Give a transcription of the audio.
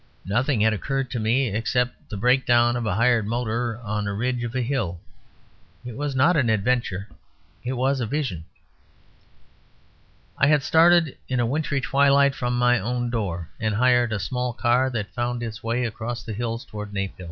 Nothing had occurred to me; except the breakdown of a hired motor on the ridge of a hill. It was not an adventure; it was a vision. I had started in wintry twilight from my own door; and hired a small car that found its way across the hills towards Naphill.